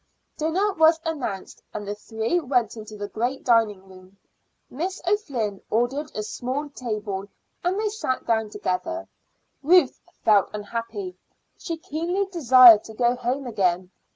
Dinner was announced, and the three went into the great dining room. Miss O'Flynn ordered a small table, and they sat down together. Ruth felt unhappy; she keenly desired to go home again.